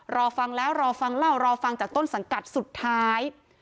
รอฟังแล้วรอฟังเล่ารอฟังจากต้นสังกัดสุดท้าย